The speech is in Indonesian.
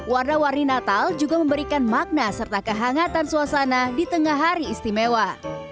warna warni natal juga memberikan makna serta kehangatan suasana di tengah hari istimewa